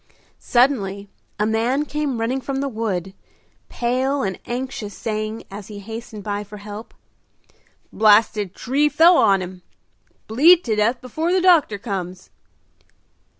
Suddenly a man came running from the wood, pale and anxious, saying, as he hastened by for help, "Blasted tree fell on him! Bleed to death before the doctor comes!"